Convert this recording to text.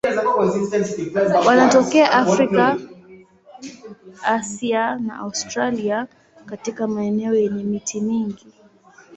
Wanatokea Afrika, Asia na Australia katika maeneo yenye miti mingi.